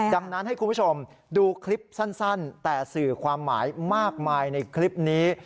ดังนั้นให้คุณผู้ชมดูคลิปสั้นแต่สื่อความหมายมากมายในคลิปนี้